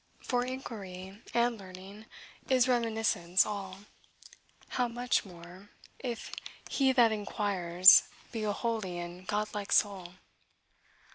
For inquiry and learning is reminiscence all." How much more, if he that inquires be a holy and godlike soul!